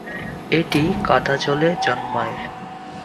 এটি কাদা জলে জন্মায়।